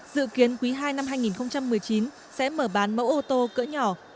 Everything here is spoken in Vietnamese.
dự kiến quý ii năm hai nghìn một mươi chín sẽ mở bán mẫu ô tô cỡ nhỏ